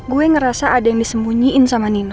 gue ngerasa ada yang disembunyiin sama nino